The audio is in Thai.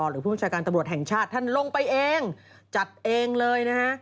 หรือผู้บัญชาการตำรวจแห่งชาติท่านลงไปเองจัดเองเลยนะฮะ